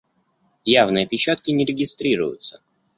Явные опечатки не регистрируются.